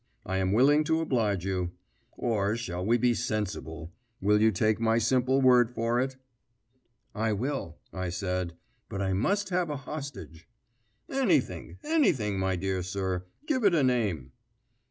I am willing to oblige you. Or shall we be sensible. Will you take my simple word for it?" "I will," I said; "but I must have a hostage." "Anything, anything, my dear sir. Give it a name."